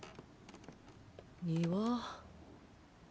庭。